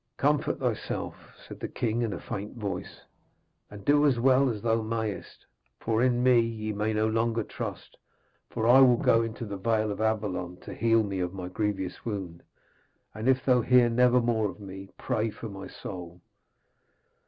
'Comfort thyself,' said the king in a faint voice, 'and do as well as thou mayest, for in me ye may no longer trust. For I will go into the vale of Avalon to heal me of my grievous wound, and if thou hear never more of me, pray for my soul.'